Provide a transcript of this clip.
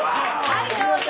はいどうぞ。